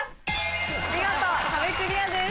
見事壁クリアです。